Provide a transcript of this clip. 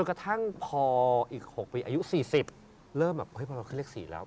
กระทั่งพออีก๖ปีอายุ๔๐เริ่มแบบเฮ้ยพอเราขึ้นเลข๔แล้ว